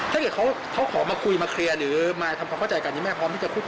ถ้าเกิดเขามาคุยมาเคลียร์หรือมาทำความเข้าใจกันไหมพร้อมจะคุยกับพ่อ